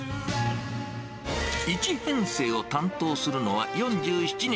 １編成を担当するのは４７人。